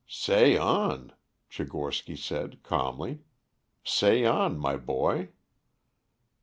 "Say on," Tchigorsky said calmly. "Say on, my boy."